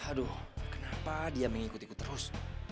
aduh kenapa dia mengikut ikut terus